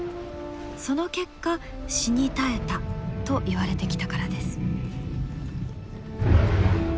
その結果死に絶えたといわれてきたからです。